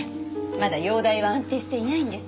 まだ容体は安定していないんです。